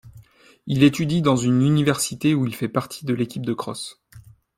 Il étudie dans une université où il fait partie de l'équipe de crosse.